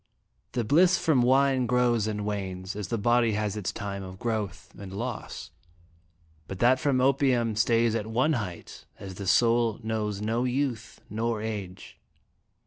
" The bliss from wine grows and wanes as the body has its time of growth and loss, but that from opium stays at one height, as the soul knows no youth nor age."